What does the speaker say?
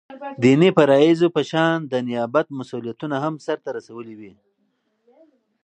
دديني فرائضو په شان دنيابت مسؤليتونه هم سرته رسوي ولي